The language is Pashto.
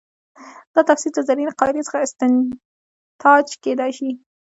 دا تفسیر د زرینې قاعدې څخه استنتاج کېدای شي.